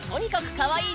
かわいい。